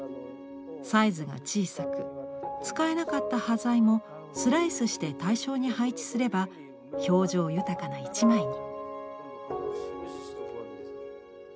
サイズが小さく使えなかった端材もスライスして対称に配置すれば表情豊かな一枚に。